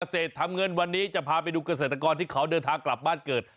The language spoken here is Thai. เกษตรทำเงินวันนี้จะพาไปดูเกษตรกรที่เขาเดินทางกลับบ้านเกิด